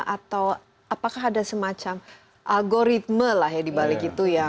atau apakah ada semacam algoritme di balik itu yang